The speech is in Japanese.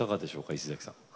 石崎さん。